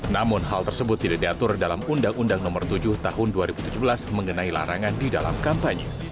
namun hal tersebut tidak diatur dalam undang undang nomor tujuh tahun dua ribu tujuh belas mengenai larangan di dalam kampanye